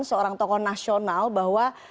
seorang tokoh nasional bahwa